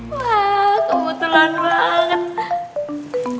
wah kebetulan banget